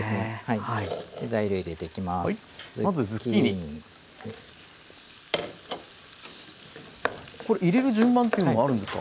これ入れる順番っていうのはあるんですか？